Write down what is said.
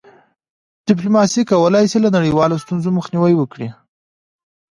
ډيپلوماسي کولی سي له نړیوالو ستونزو مخنیوی وکړي.